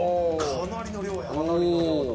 かなりの量だ。